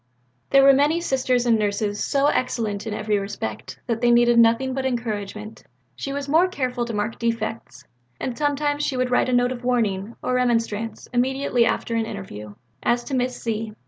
There were many Sisters and Nurses so excellent in every respect that they needed nothing but encouragement; she was more careful to mark defects, and sometimes she would write a note of warning or remonstrance immediately after an interview, as to Miss Z.